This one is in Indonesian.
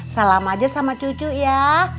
salam aja sama cucu ya